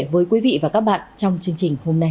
với quý vị và các bạn trong chương trình hôm nay